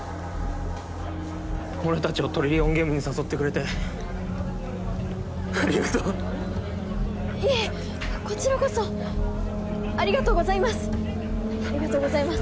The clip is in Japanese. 俺達をトリリオンゲームに誘ってくれてありがとういえこちらこそありがとうございますありがとうございます